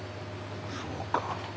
そうか。